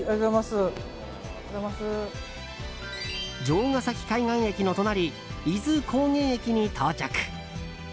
城ヶ崎海岸駅の隣伊豆高原駅に到着。